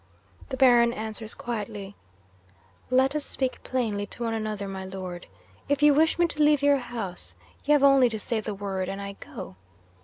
The Baron answers quietly, "Let us speak plainly to one another, my Lord. If you wish me to leave your house, you have only to say the word, and I go."